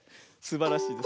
すばらしい。